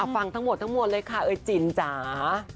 ฟังทั้งหมดว่าทั้งหมดเลยค่ะไอจินจ๋า